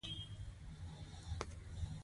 ارغوان ګل کله غوړیږي؟